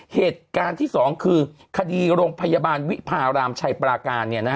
เหตุการณ์ที่๒คือคดีโรงพยาบาลวิพารามชัยปราการ